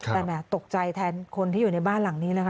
แต่แหมตกใจแทนคนที่อยู่ในบ้านหลังนี้นะคะ